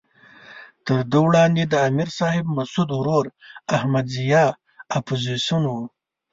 تر ده وړاندې د امر صاحب مسعود ورور احمد ضیاء اپوزیسون وو.